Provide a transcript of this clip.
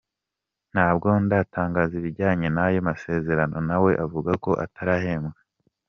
Nubwo adatangaza ibijyanye n’ayo masezerano nawe avuga ko atarahembwa.